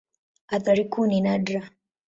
Athari kuu ni nadra.